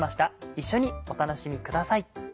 一緒にお楽しみください。